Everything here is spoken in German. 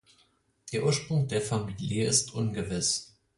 Der Ursprung der Familie ist ungewiss.